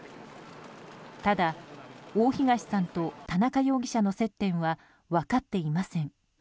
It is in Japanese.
ただ大東さんと田中容疑者の接点は分かっていません。